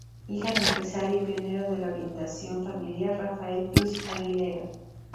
Hija del empresario y pionero de la orientación familiar Rafael Pich-Aguilera.